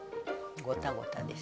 ゴタゴタです。